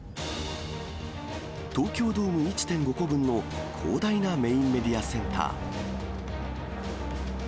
東京ドーム１．５個分の広大なメインメディアセンター。